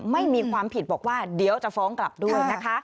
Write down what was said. ไม่มีความผิดบอกว่าเดี๋ยวจะฟ้องกลับด้วยนะคะ